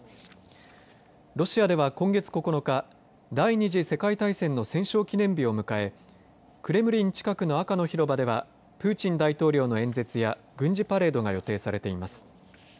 ロシアでは、今月９日第２次世界大戦の戦勝記念日を迎えクレムリン近くの赤の広場ではプーチン大統領の演説や軍事パレードが予定されています。